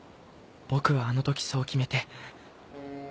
僕はあの時そう決めて